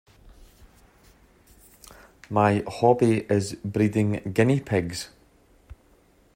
My hobby is breeding guinea pigs